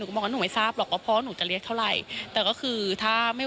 ก็ก็บอกหนูไม่ทราบว่าพ่อจะเรียกเท่าไร